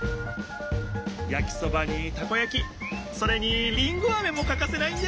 やきそばにたこやきそれにりんごあめもかかせないんだよね。